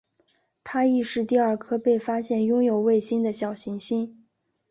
它亦是第二颗被发现拥有卫星的小行星。